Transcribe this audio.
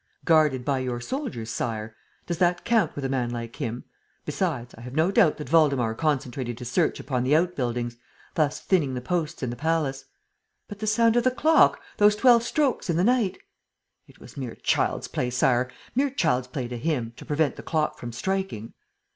"Guarded by your soldiers, Sire. Does that count with a man like him? Besides, I have no doubt that Waldemar concentrated his search upon the out buildings, thus thinning the posts in the palace." "But the sound of the clock! Those twelve strokes in the night!" "It was mere child's play, Sire, mere child's play, to him, to prevent the clock from striking!"